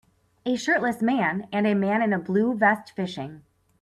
A shirtless man and a man in a blue vest fishing.